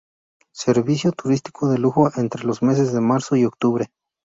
Servicio turístico de lujo entre los meses de marzo y octubre.